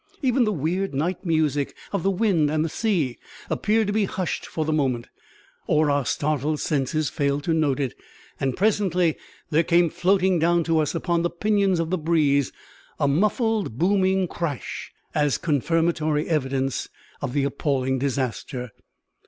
Even the weird night music of the wind and sea appeared to be hushed for the moment, or our startled senses failed to note it, and presently there came floating down to us upon the pinions of the breeze a muffled, booming crash, as confirmatory evidence of the appalling disaster.